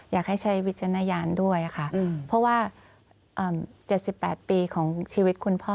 อยากให้ใช้วิจารณญาณด้วยค่ะเพราะว่า๗๘ปีของชีวิตคุณพ่อ